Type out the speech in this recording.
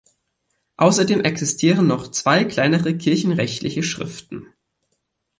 Außerdem existieren noch zwei kleinere kirchenrechtliche Schriften.